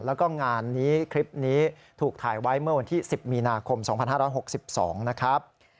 แล้วก็งานนี้คลิปนี้ถูกถ่ายไว้เมื่อวันที่๑๐มีนาคม๒๕๖๒นะครับ